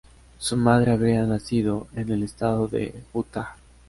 Su madre había nacido en el estado de Utah.